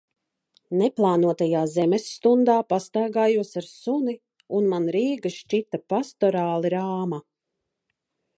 Neplānotajā Zemes stundā pastaigājos ar suni, un man Rīga šķita pastorāli rāma.